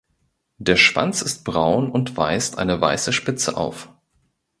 Der Schwanz ist braun und weist eine weiße Spitze auf.